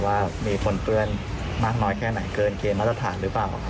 ว่ามีปนเปื้อนมากน้อยแค่ไหนเกินเกณฑ์มาตรฐานหรือเปล่า